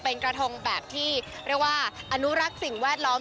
เป็นกระทงแบบที่เรียกว่าอนุรักษ์สิ่งแวดล้อม